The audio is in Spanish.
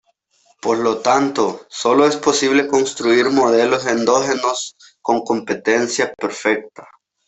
Por lo tanto, sólo es posible construir modelos endógenos con competencia perfecta.